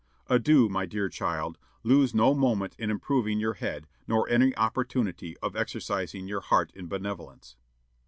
Adieu, my dear child; lose no moment in improving your head, nor any opportunity of exercising your heart in benevolence."